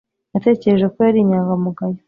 natekereje ko yari inyangamugayo